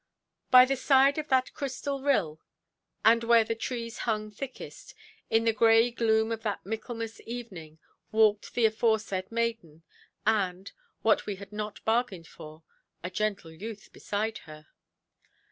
By the side of that crystal rill, and where the trees hung thickest, in the grey gloom of that Michaelmas evening, walked the aforesaid maiden, and (what we had not bargained for) a gentle youth beside her.